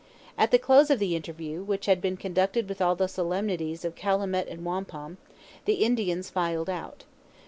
At the close of the interview, which had been conducted with all the solemnities of calumet and wampum, the Indians filed out.